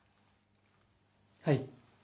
はい。